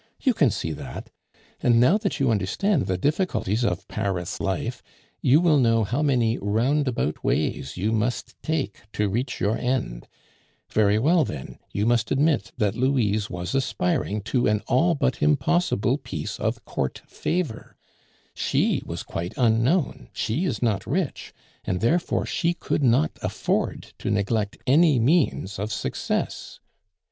You can see that. And now that you understand the difficulties of Paris life, you will know how many roundabout ways you must take to reach your end; very well, then, you must admit that Louise was aspiring to an all but impossible piece of Court favor; she was quite unknown, she is not rich, and therefore she could not afford to neglect any means of success.